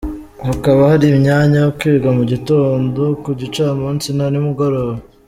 Hakaba hari imyanya yo kwiga mu gitondo, ku gicamunsi na nimugoroba.